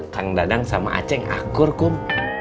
kang dadang sama aceh akur kum